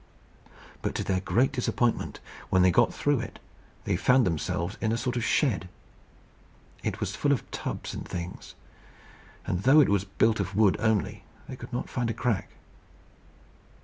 But to their great disappointment, when they got through it, they found themselves in a sort of shed. It was full of tubs and things, and, though it was built of wood only, they could not find a crack.